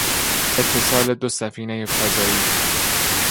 اتصال دو سفینهی فضایی